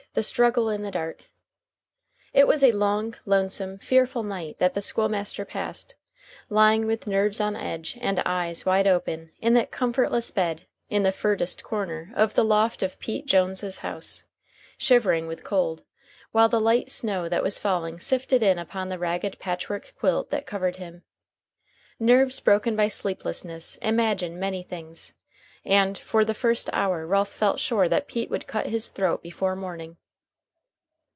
THE STRUGGLE IN THE DARK It was a long, lonesome, fearful night that the school master passed, lying with nerves on edge and eyes wide open in that comfortless bed in the "furdest corner" of the loft of Pete Jones's house, shivering with cold, while the light snow that was falling sifted in upon the ragged patch work quilt that covered him. Nerves broken by sleeplessness imagine many things, and for the first hour Ralph felt sure that Pete would cut his throat before morning.